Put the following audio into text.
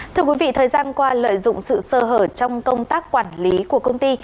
thưa quý vị thời gian qua lợi dụng sự sơ hở trong công tác quản lý của công ty